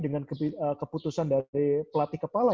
dengan keputusan dari pelatih kepala